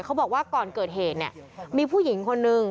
บอกว่าก่อนเกิดเหตุเนี่ยมีผู้หญิงคนนึง